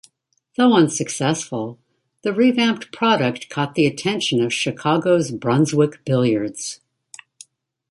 Though unsuccessful, the revamped product caught the attention of Chicago's Brunswick Billiards.